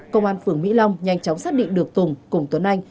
công an phường mỹ long nhanh chóng xác định được tùng cùng tuấn anh